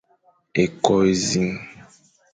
Ékôkh énẑiñ,